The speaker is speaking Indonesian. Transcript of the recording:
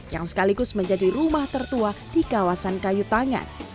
yang sekaligus menjadi rumah tertua di kawasan kayu tangan